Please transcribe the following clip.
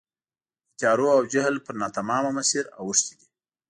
د تیارو او جهل پر ناتمامه مسیر اوښتي دي.